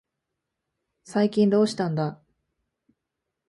最近どうしたんだ。